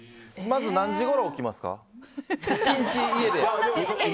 まず何時ごろ、起きますか？